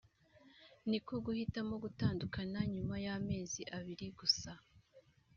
niko guhitamo gutandukana nyuma y’ amezi abiri gusa